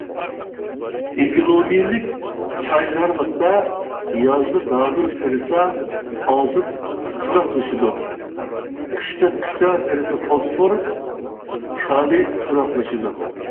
ئېكولوگىيەلىك چايزارلىقتا يازدا دادۇر تېرىسا ئازوت تۇراقلىشىدۇ، قىشتا قىچا تېرىسا فوسفور، كالىي تۇراقلىشىدۇ.